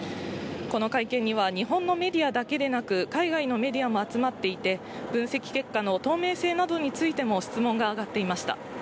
この会見には日本のメディアだけでなく、海外のメディアも集まっていて、分析結果の透明性などについても質問があがっていました。